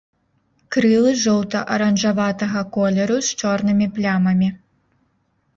Крылы жоўта-аранжавага колеру з чорнымі плямамі.